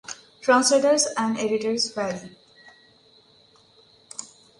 Translators and editors vary.